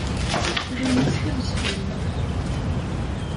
Iḍaṛṛen-is d iɣezzfanen.